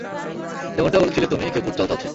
যেমনটা বলছিলে তুমি, কেউ কুটচাল চালছে।